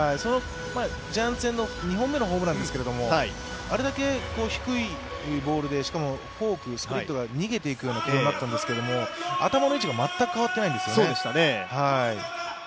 ジャイアンツ戦の２本目のホームランですけれども、あれだけ低いボールでしかもフォーク、スプリットが逃げていくボールだったんですけど頭の位置が全く変わってないんですよね。